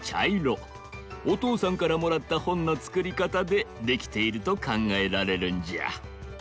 おとうさんからもらったほんのつくりかたでできているとかんがえられるんじゃ。